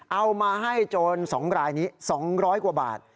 เอามาให้โจร๒รายนี้๒๐๐กว่าบาท